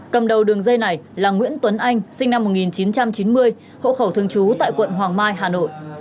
cầm đầu đường dây này là nguyễn tuấn anh sinh năm một nghìn chín trăm chín mươi hộ khẩu thương chú tại quận hoàng mai hà nội